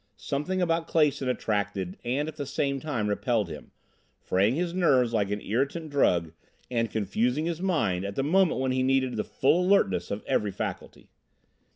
Something about Clason attracted and at the same time repelled him, fraying his nerves like an irritant drug and confusing his mind at the moment when he needed the full alertness of every faculty.